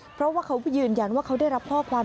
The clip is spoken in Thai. เพราะว่าเขายืนยันว่าเขาได้รับข้อความ